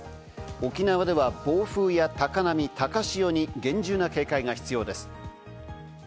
沖縄では暴風や高波、高潮に厳重な警戒が必要です。